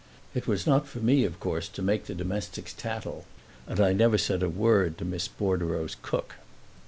It was not for me of course to make the domestics tattle, and I never said a word to Miss Bordereau's cook.